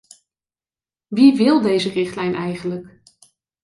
Wie wil deze richtlijn eigenlijk?